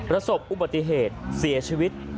ประสบอุบัติเหตุเสียชีวิต